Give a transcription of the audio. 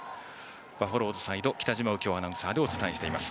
バファローズサイドは北嶋右京アナウンサーでお伝えしています。